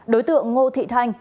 đối tượng ngô thị thanh